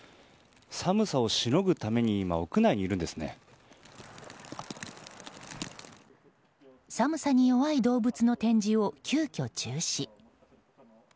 寒さをしのぐために寒さに弱い動物の展示を急きょ中止。